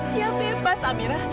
dia bebas amira